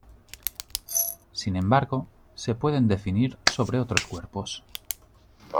Sin embargo, se pueden definir sobre otros cuerpos.